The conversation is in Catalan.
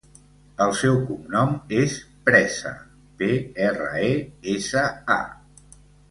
El seu cognom és Presa: pe, erra, e, essa, a.